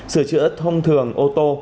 sửa chữa thông thường ô tô